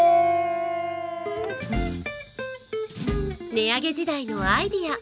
値上げ時代のアイデア。